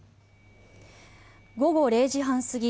午後０時半過ぎ